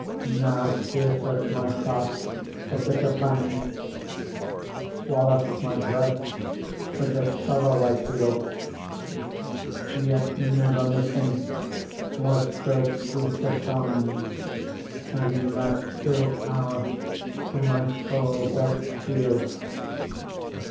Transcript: Now pierceth my heart the bitter pang, Swelleth my breast with the sorrow I feel ! Yet never methinks was so sweet a song. As in that still hour to my soul doth steal